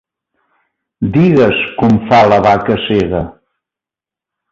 Digues com fa La vaca cega!